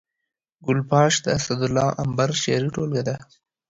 ګل پاش د اسدالله امبر شعري ټولګه ده